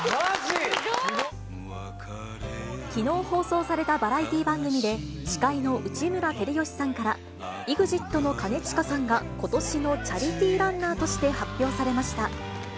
きのう放送されたバラエティー番組で、司会の内村光良さんから、ＥＸＩＴの兼近さんがことしのチャリティーランナーとして発表されました。